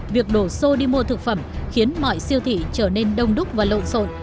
việc đổ xô đi mua thực phẩm khiến mọi siêu thị trở nên đông đúc và lộn xộn